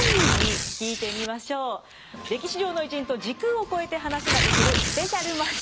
歴史上の偉人と時空を超えて話ができるスペシャルマシーン。